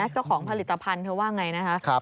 เจ้าของผลิตภัณฑ์เธอว่าอย่างไรนะครับ